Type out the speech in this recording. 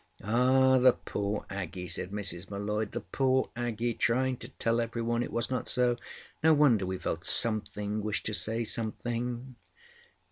"Ah, the poor Aggie!" said Mrs. M'Leod. "The poor Aggie, trying to tell every one it was not so! No wonder we felt Something wished to say Something.